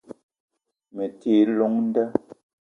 Me te yi llong nda